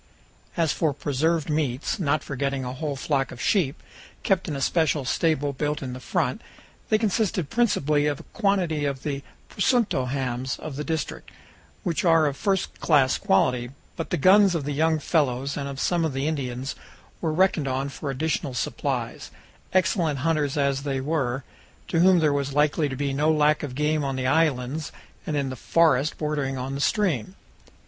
As for preserved meats, not forgetting a whole flock of sheep, kept in a special stable built in the front, they consisted principally of a quantity of the "presunto" hams of the district, which are of first class quality; but the guns of the young fellows and of some of the Indians were reckoned on for additional supplies, excellent hunters as they were, to whom there was likely to be no lack of game on the islands and in the forests bordering on the stream.